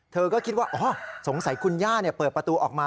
เธอก็คิดว่าสงสัยคุณย่าเปิดประตูออกมา